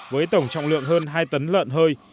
với tổng trọng lượng hơn hai tấn lợn hơi